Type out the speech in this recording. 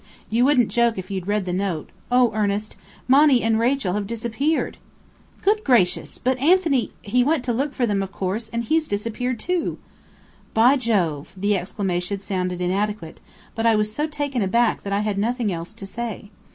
"You wouldn't joke if you'd read the note. Oh, Ernest, Monny and Rachel have disappeared!" "Good gracious! But Anthony " "He went to look for them, of course; and he's disappeared, too." "By Jove!" The exclamation sounded inadequate, but I was so taken aback that I had nothing else to say.